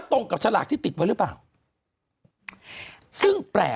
คุณหนุ่มกัญชัยได้เล่าใหญ่ใจความไปสักส่วนใหญ่แล้ว